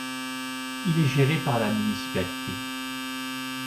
Il est géré par la municipalité.